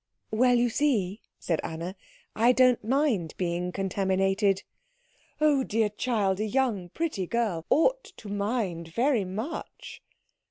"Well, you see," said Anna, "I don't mind being contaminated." "Oh, dear child, a young pretty girl ought to mind very much."